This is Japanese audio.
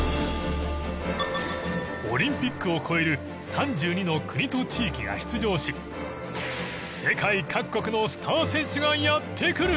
オリンピックを超える３２の国と地域が出場し世界各国のスター選手がやって来る！？